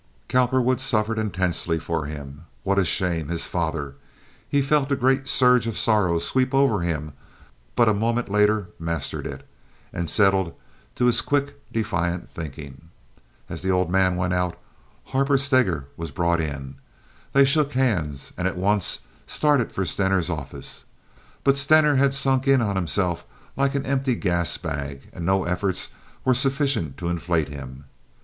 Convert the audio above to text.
Cowperwood suffered intensely for him. What a shame! His father! He felt a great surge of sorrow sweep over him but a moment later mastered it, and settled to his quick, defiant thinking. As the old man went out, Harper Steger was brought in. They shook hands, and at once started for Stener's office. But Stener had sunk in on himself like an empty gas bag, and no efforts were sufficient to inflate him.